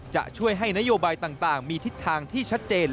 จะช่วยให้นโยบายต่างมีทิศทางที่ชัดเจน